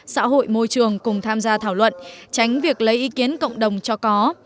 xã hội môi trường cùng tham gia thảo luận tránh việc lấy ý kiến cộng đồng cho có